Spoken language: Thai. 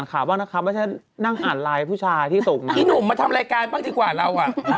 นุ่มมาทำรายการบ้างดีกว่าเรา